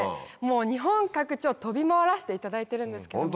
日本各地を飛び回らせていただいてるんですけども。